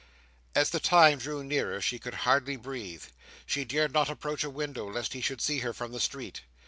As the time drew nearer, she could hardly breathe. She dared not approach a window, lest he should see her from the street.